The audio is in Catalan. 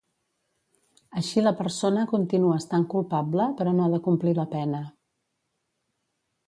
Així la persona continua estant culpable però no ha de complir la pena.